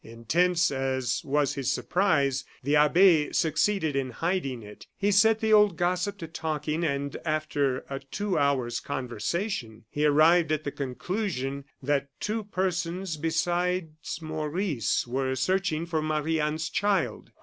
Intense as was his surprise, the abbe succeeded in hiding it. He set the old gossip to talking, and after a two hours' conversation, he arrived at the conclusion that two persons besides Maurice were searching for Marie Anne's child.